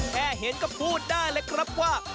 แค่เห็นก็พูดได้เลยครับว่า